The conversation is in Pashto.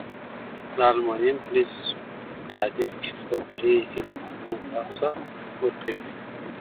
د المونیم فلز په تعامل کې خپل درې الکترونونه له لاسه ورکوي.